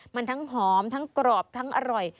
มันทั้งหอมทั้งกรอบทั้งอร่อย